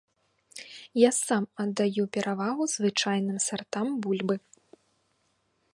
Я сам аддаю перавагу звычайным сартам бульбы.